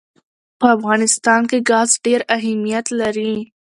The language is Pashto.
په افغانستان کې ګاز ډېر اهمیت لري.